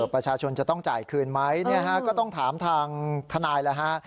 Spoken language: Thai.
ประชาชนจะต้องจ่ายคืนไหมเนี่ยฮะก็ต้องถามทางทนายแล้วฮะ